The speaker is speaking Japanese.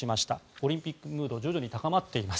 オリンピックムード徐々に高まっています。